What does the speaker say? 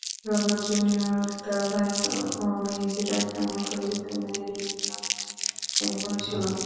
Robert junior তার ভাই ও মেইজি ডাকনামে পরিচিত মেরি নাম্নী এক বোন ছিল।